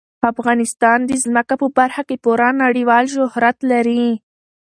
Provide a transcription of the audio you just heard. افغانستان د ځمکه په برخه کې پوره نړیوال شهرت لري.